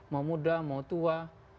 mau muda mau tua